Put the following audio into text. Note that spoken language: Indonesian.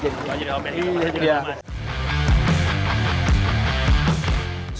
kita udah disini jadi home base